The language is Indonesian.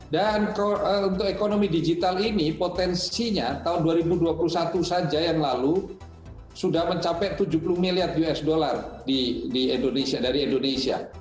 dan untuk ekonomi digital ini potensinya tahun dua ribu dua puluh satu saja yang lalu sudah mencapai tujuh puluh miliar usd dari indonesia